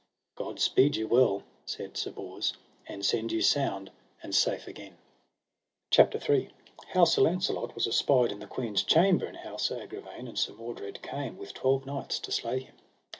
God speed you well, said Sir Bors, and send you sound and safe again. CHAPTER III. How Sir Launcelot was espied in the queen's chamber, and how Sir Agravaine and Sir Mordred came with twelve knights to slay him.